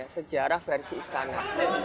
sejarah versi istana